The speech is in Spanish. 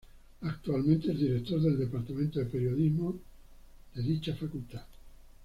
Actualmente es director del departamento de Periodismo I de dicha facultad.